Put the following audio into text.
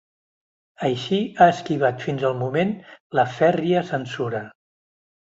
Així ha esquivat fins al moment la fèrria censura.